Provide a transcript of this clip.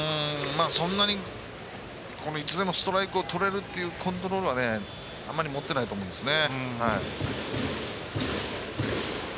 そんなにいつでもストライクをとれるっていうコントロールはあんまり持ってないと思いますね。